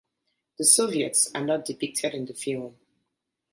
The Soviets are not depicted in the film.